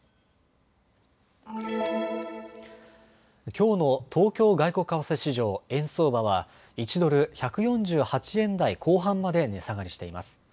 きょうの東京外国為替市場、円相場は１ドル１４８円台後半まで値下がりしています。